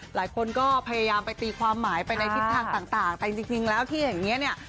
หลายคนก็พยายามไปตีความหมายไปในทิศทางต่างแต่จริงแล้วที่อย่างนี้เนี่ย